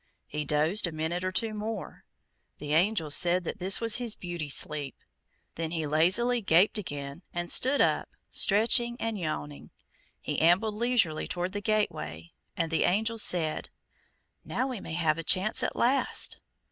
He dozed a minute or two more. The Angel said that was his beauty sleep. Then he lazily gaped again and stood up, stretching and yawning. He ambled leisurely toward the gateway, and the Angel said: "Now, we may have a chance, at last."